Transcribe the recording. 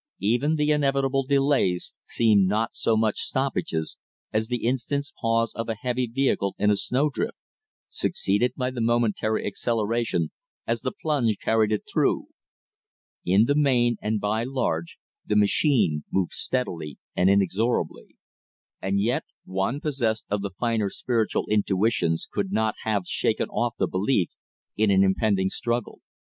Even the inevitable delays seemed not so much stoppages as the instant's pause of a heavy vehicle in a snow drift, succeeded by the momentary acceleration as the plunge carried it through. In the main, and by large, the machine moved steadily and inexorably. And yet one possessed of the finer spiritual intuitions could not have shaken off the belief in an impending struggle.